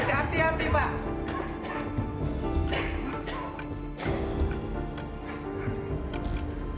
aduh bisa berapa ini